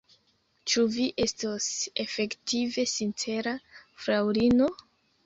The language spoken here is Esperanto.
Ĉu vi estos efektive sincera, fraŭlino?